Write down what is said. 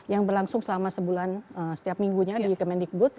yang berlangsung selama sebulan setiap minggunya di kemendikbud